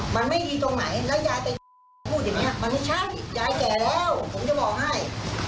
มันไม่ดีตรงไหนแล้วยายเป็นพูดอย่างนี้มันไม่ใช่ยายแก่แล้วผมจะบอกให้